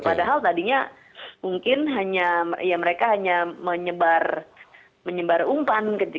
padahal tadinya mungkin hanya mereka hanya menyebar umpan